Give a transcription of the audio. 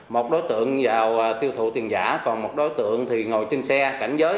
một đối tượng vào tiêu thụ tiền giả còn một đối tượng thì ngồi trên xe cảnh giới